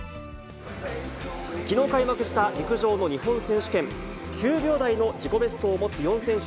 きのう開幕した陸上の日本選手権。９秒台の自己ベストを持つ４選手